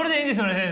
先生。